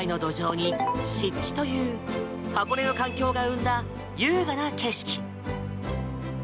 火山灰の土壌に湿地という箱根の環境が生んだ優雅な景色。